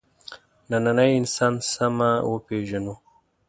نننی انسان سمه وپېژنو.